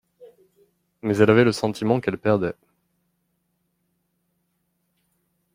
Mais elle avait le sentiment qu’elle perdait.